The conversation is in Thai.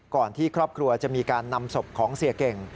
ที่ครอบครัวจะมีการนำศพของเสียเก่ง